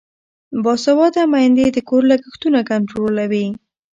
باسواده میندې د کور لګښتونه کنټرولوي.